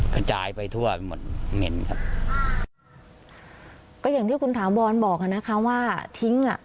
กระจายไปทั่วไปหมดเหม็นครับก็อย่างที่คุณถาวรบอกอ่ะนะคะว่าทิ้งอ่ะ